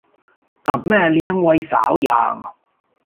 กับแม่เลี้ยงวัยสาวอย่าง